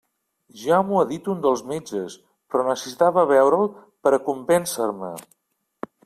Ja m'ho ha dit un dels metges, però necessitava veure'l per a convèncer-me.